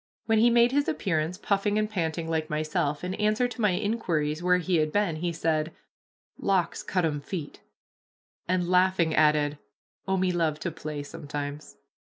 When he made his appearance, puffing and panting like myself, in answer to my inquiries where he had been, he said, "Locks cut 'em feet," and, laughing, added, "Oh, me love to play sometimes."